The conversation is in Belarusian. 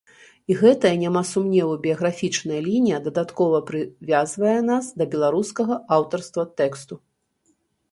І гэтая, няма сумневу, біяграфічная лінія дадаткова прывязвае нас да беларускага аўтарства тэксту.